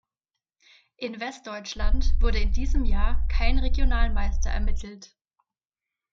In Westdeutschland wurde in diesem Jahr kein Regionalmeister ermittelt.